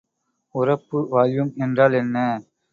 உரப்பு வால்யூம் என்றால் என்ன?